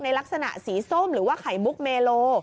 ลักษณะสีส้มหรือว่าไข่มุกเมโล